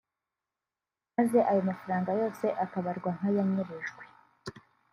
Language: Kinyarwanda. maze ayo mafaranga yose akabarwa nk’ayanyerejwe